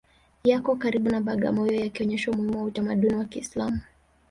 Yako karibu na Bagamoyo yakionyesha umuhimu wa utamaduni wa Kiislamu